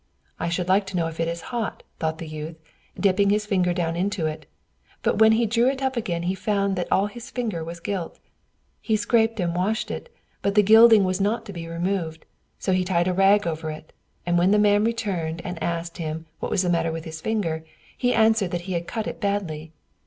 "I should like to know if it is hot," thought the youth, dipping his finger down into it; but when he drew it up again he found that all his finger was gilt. He scraped and washed it, but the gilding was not to be removed; so he tied a rag over it, and when the man returned and asked him what was the matter with his finger, he answered he had cut it badly.